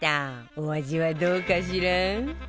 お味はどうかしら？